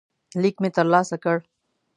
لیک مې ترلاسه کړ.